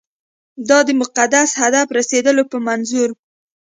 دا د مقدس هدف رسېدلو په منظور.